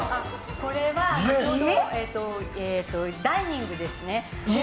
これはダイニングですね。